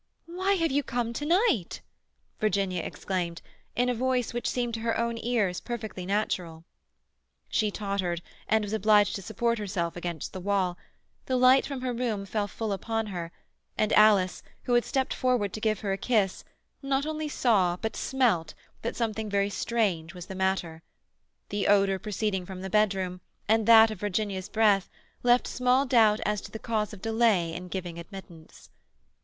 "Why have you come to night?" Virginia exclaimed, in a voice which seemed to her own ears perfectly natural. She tottered, and was obliged to support herself against the wall. The light from her room fell full upon her, and Alice, who had stepped forward to give her a kiss, not only saw, but smelt, that something very strange was the matter. The odour proceeding from the bedroom, and that of Virginia's breath, left small doubt as to the cause of delay in giving admittance.